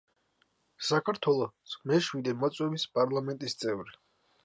საქართველოს მეშვიდე მოწვევის პარლამენტის წევრი.